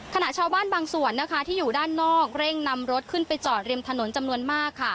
ชาวบ้านบางส่วนที่อยู่ด้านนอกเร่งนำรถขึ้นไปจอดริมถนนจำนวนมาก